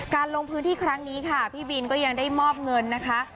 ลงพื้นที่ครั้งนี้ค่ะพี่บินก็ยังได้มอบเงินนะคะ